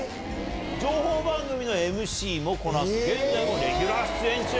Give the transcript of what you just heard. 情報番組のＭＣもこなす、現在もレギュラー出演中。